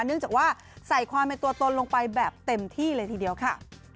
เนื่องจากว่าใส่ความเป็นตัวตนลงไปแบบเต็มที่เลยทีเดียวค่ะ